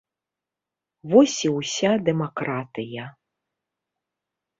Вось і ўся дэмакратыя!